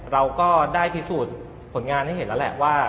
เราก็ได้พิสูจน์ผลงานให้เห็นแล้วแหละว่า